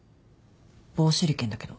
棒手裏剣だけど。